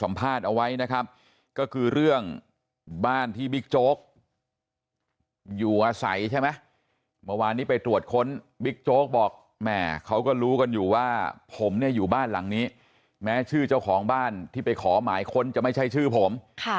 แม้ชื่อเจ้าของบ้านที่ไปขอหมายคนจะไม่ใช่ชื่อผม